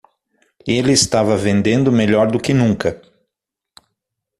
Ele estava vendendo melhor do que nunca.